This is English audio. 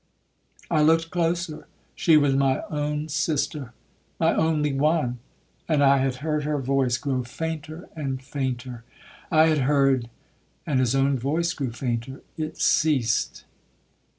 I looked closer, she was my own sister,—my only one,—and I had heard her voice grow fainter and fainter. I had heard—' and his own voice grew fainter—it ceased.